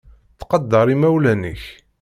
Ttqadar imawlan-nnek.